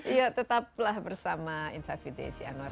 iya tetaplah bersama insafi desi anwar